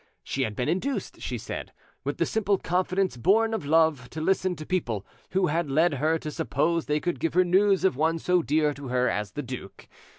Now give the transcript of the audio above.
She had been induced, she said, with the simple confidence born of love, to listen to people who had led her to suppose they could give her news of one so dear to her as the duke.